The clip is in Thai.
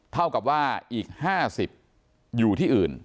เท่ากับว่าอีก๕๐อยู่ที่อื่น